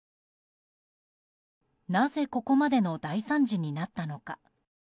なぜここまでの大惨事になったのか。